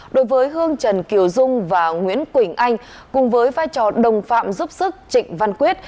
đối với hương trần kiều dung và nguyễn quỳnh anh cùng với vai trò đồng phạm giúp sức trịnh văn quyết